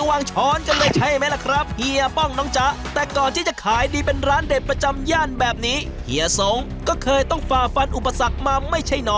มันทำให้มีความหวานชะกำใดสดชื่นดึงถึงมายังความแบบ